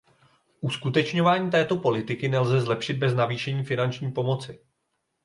Uskutečňování této politiky nelze zlepšit bez navýšení finanční pomoci.